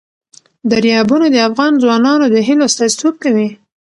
دریابونه د افغان ځوانانو د هیلو استازیتوب کوي.